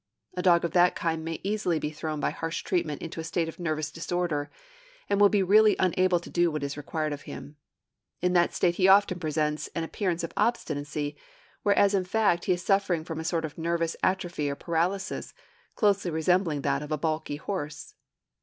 A dog of that kind may easily be thrown by harsh treatment into a state of nervous disorder, and will be really unable to do what is required of him. In that state he often presents an appearance of obstinacy, whereas in fact he is suffering from a sort of nervous atrophy or paralysis, closely resembling that of a 'balky' horse.